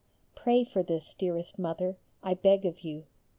Pray for this, dearest Mother, I beg of you.